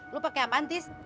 lu pakai apa tis